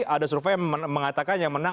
ada survei mengatakan yang menang